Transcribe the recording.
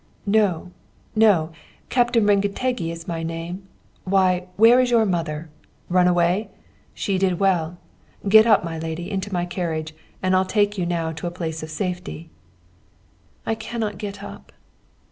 "'No, no! Captain Rengetegi is my name. Why, where is your mother? Run away? She did well. Get up, my lady, into my carriage, and I'll take you now to a place of safety.' "'I cannot get up.'